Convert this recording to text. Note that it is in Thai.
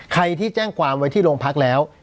ใครที่แจ้งความไว้ที่โรงพักแล้ว